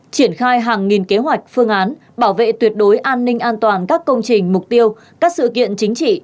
triển khai hàng nghìn kế hoạch phương án bảo vệ tuyệt đối an ninh an toàn các công trình mục tiêu các sự kiện chính trị